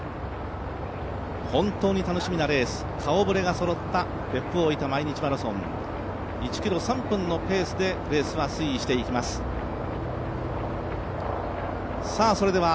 本当に楽しみなレース、顔ぶれがそろった別府大分毎日マラソン、１ｋｍ３分のペースでレースが推移していきますね。